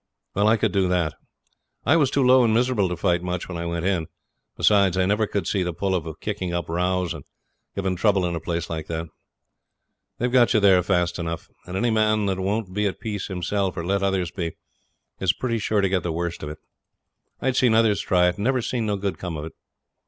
Well, I could do that. I was too low and miserable to fight much when I went in; besides, I never could see the pull of kicking up rows and giving trouble in a place like that. They've got you there fast enough, and any man that won't be at peace himself, or let others be, is pretty sure to get the worst of it. I'd seen others try it, and never seen no good come of it.